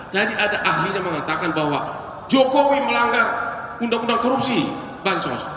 tadi ada ahlinya mengatakan bahwa jokowi melanggar undang undang korupsi bansos